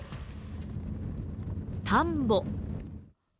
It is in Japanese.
田んぼ。